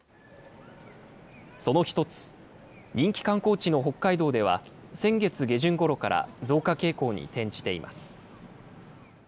その一つ、人気観光地の北海道では、先月下旬ごろから増加傾向に転じています。